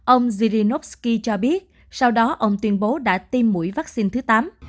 ông zyrinovsky cho biết sau đó ông tuyên bố đã tiêm mũi vaccine thứ tám